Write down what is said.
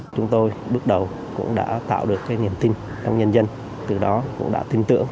chúng tôi bước đầu cũng đã tạo được cái niềm tin trong nhân dân từ đó cũng đã tin tưởng